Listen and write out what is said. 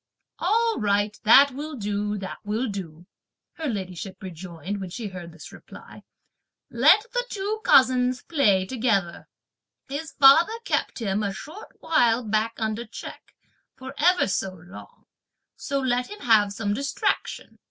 "All right, that will do! that will do!" her ladyship rejoined, when she heard this reply; "let the two cousins play together; his father kept him a short while back under check, for ever so long, so let him have some distraction.